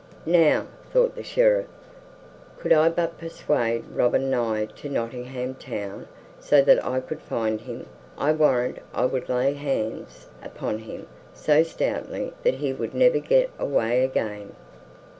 "Now," thought the Sheriff, "could I but persuade Robin nigh to Nottingham Town so that I could find him, I warrant I would lay hands upon him so stoutly that he would never get away again."